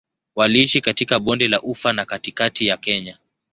Waliishi katika Bonde la Ufa na katikati ya Kenya.